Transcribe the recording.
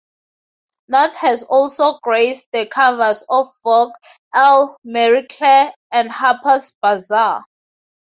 North has also graced the covers of Vogue, Elle, Marie Claire, and Harper's Bazaar.